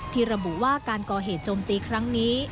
ระบุว่าการก่อเหตุโจมตีครั้งนี้